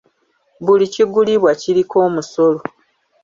Buli kigulibwa kiriko omusolo.